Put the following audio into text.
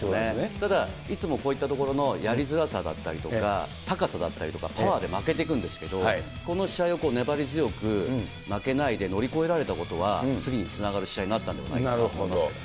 ただ、いつもこういったところのやりづらさだったりとか、高さやパワーで負けていくんですけれども、この試合を粘り強く負けないで乗り越えられたことは、次につながる試合になったと思いなるほど。